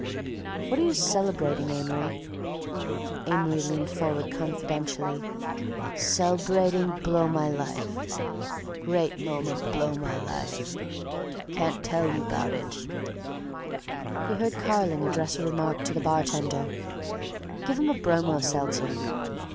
"What are you celebrating, Amory?" Amory leaned forward confidentially. "Cel'brating blowmylife. Great moment blow my life. Can't tell you 'bout it—" He heard Carling addressing a remark to the bartender: "Give him a bromo seltzer."